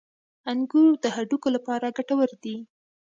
• انګور د هډوکو لپاره ګټور دي.